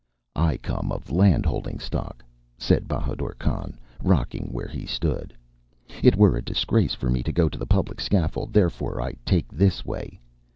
"I come of land holding stock," said Bahadur Khan, rocking where he stood. "It were a disgrace for me to go to the public scaffold, therefore I take this way.